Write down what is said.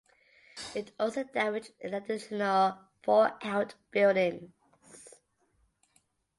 It also damaged an additional four outbuildings.